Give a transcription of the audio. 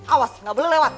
awas gak boleh lewat